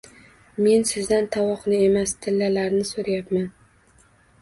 – Men sizdan tovoqni emas, tillalarni so‘rayapman.